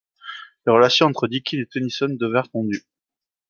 Les relations entre Deakin et Tennyson devinrent tendues.